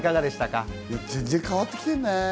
全然変わってきてるね。